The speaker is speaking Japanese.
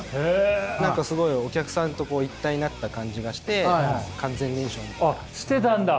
何かすごいお客さんと一体になった感じがして完全燃焼みたいな。